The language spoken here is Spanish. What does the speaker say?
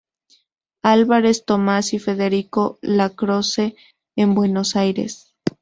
Álvarez Thomas y Federico Lacroze, en Buenos Aires.